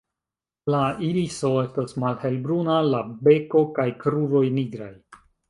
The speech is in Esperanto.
La iriso estas malhelbruna, la beko kaj kruroj nigraj.